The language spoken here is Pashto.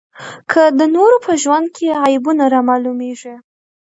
که د نورو په ژوند کې عیبونه رامعلومېږي.